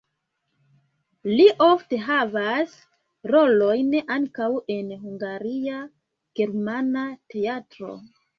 Li ofte havas rolojn ankaŭ en Hungaria Germana Teatro.